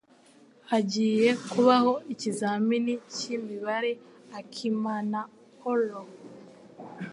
Hagiye kubaho ikizamini cyimibare Akimanaorrow.